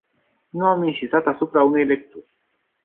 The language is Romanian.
Nu am insistat asupra unei lecturi.